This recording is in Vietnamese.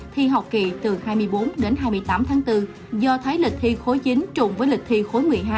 thi học kỳ từ hai mươi bốn đến hai mươi tám tháng bốn do thái lịch thi khối chính trụng với lịch thi khối một mươi hai